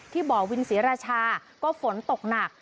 บ่อวินศรีราชาก็ฝนตกหนัก